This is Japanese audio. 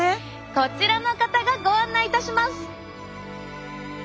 こちらの方がご案内いたします。